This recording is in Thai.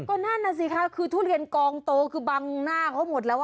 ก็นั่นน่ะสิคะคือทุเรียนกองโตคือบังหน้าเขาหมดแล้ว